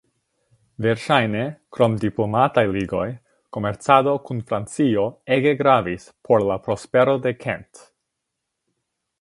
Verŝajne, krom diplomataj ligoj, komercado kun Francio ege gravis por la prospero de Kent.